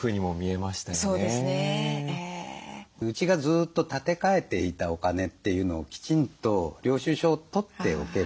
うちがずっと立て替えていたお金というのをきちんと領収書を取っておけば。